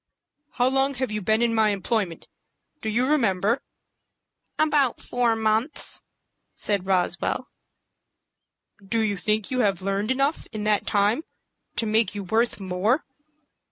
"How long have you been in my employment, do you remember?" "About four months," said Roswell. "Do you think you have learned enough in that time to make you worth more?"